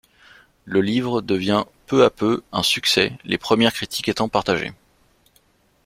Le livre devient peu à peu un succès, les premières critiques étant partagées.